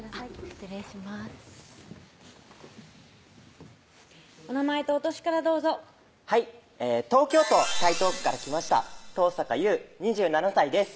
失礼しますお名前とお歳からどうぞはい東京都台東区から来ました遠坂優２７歳です